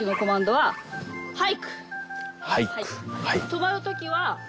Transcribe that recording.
はい。